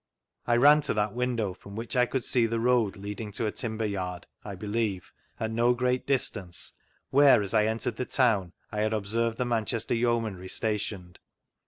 I ran to that window from whidb I could see the road leading to a timber yard (I believe) at no great distance, where, as I entered the town, I had observed the Manchester Yeo manry stationed.